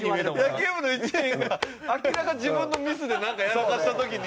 野球部の１年が明らか自分のミスでなんかやらかした時に。